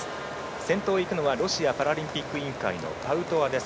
先頭をいくのはロシアパラリンピック委員会のパウトワです。